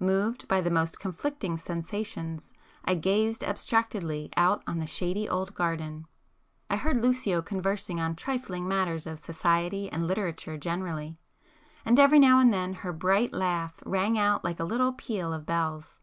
Moved by the most conflicting sensations I gazed abstractedly out on the shady old garden,—I heard Lucio conversing on trifling matters of society and literature generally, and every now and then her bright laugh rang out like a little peal of bells.